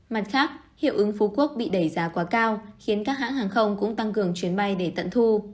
mặt khác hiệu ứng phú quốc bị đẩy giá quá cao khiến các hãng hàng không cũng tăng cường chuyến bay để tận thu